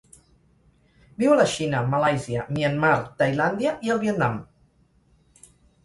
Viu a la Xina, Malàisia, Myanmar, Tailàndia i el Vietnam.